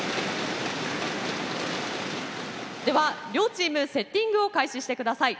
では両チームセッティングを開始して下さい。